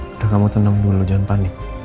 udah kamu tenang dulu jangan panik